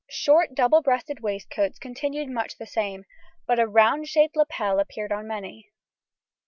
Short double breasted waistcoats continued much the same, but a round shaped lapel appeared on many.